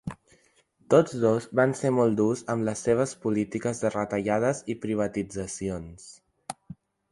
Tots dos van ser molt durs amb les seves polítiques de retallades i privatitzacions.